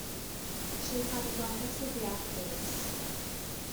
She had a rather severe face.